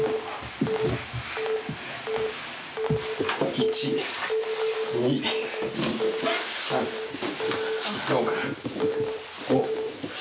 １２３４５。